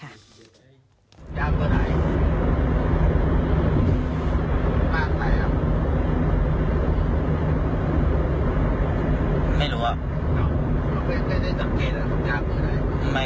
เขาเคยสังเกตไหมทุกอย่างตัวเนี้ย